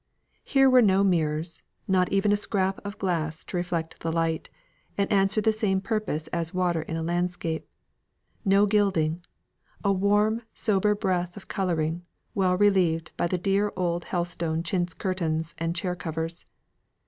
Here were no mirrors, not even a scrap of glass to reflect the light, and answer the same purpose as water in a landscape; no gilding; a warm, sober breadth of colouring, well relieved by the dear old Helstone chintz curtains and chair covers.